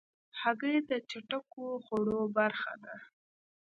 هګۍ د چټکو خوړو برخه ده.